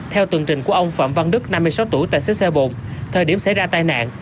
theo tường trình của ông phạm văn đức năm mươi sáu tuổi tài xế xe bồn thời điểm xảy ra tai nạn